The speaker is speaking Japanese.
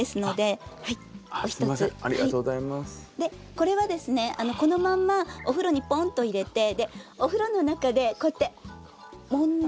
これはですねこのまんまお風呂にポンと入れてお風呂の中でこうやってもんで。